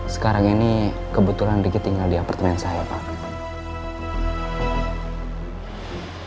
sekarang ini kebetulan riki tinggal di apartemen saya pak